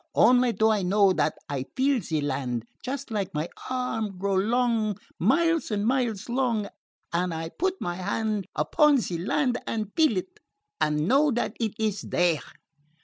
Only do I know dat I feel ze land, just like my arm grow long, miles and miles long, and I put my hand upon ze land and feel it, and know dat it is there."